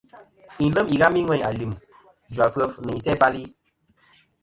Yi lem ighami ŋweyn alim, jvafef nɨ isæ-bal-i.